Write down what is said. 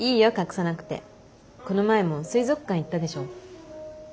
この前も水族館行ったでしょ？